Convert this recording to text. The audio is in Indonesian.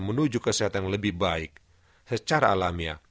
menuju kesehatan yang lebih baik secara alamiah